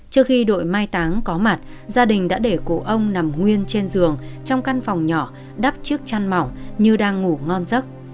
trước khi đội mai táng có mặt gia đình đã để cụ ông nằm nguyên trên giường trong căn phòng nhỏ đắp chiếc chăn mỏng như đang ngủ ngon giấc